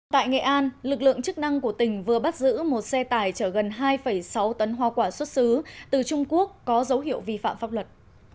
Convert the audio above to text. tại nghệ an lực lượng chức năng của tỉnh vừa bắt giữ một xe tải chở gần hai sáu tấn hoa quả xuất xứ từ trung quốc có dấu hiệu vi phạm pháp luật